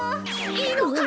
いいのか？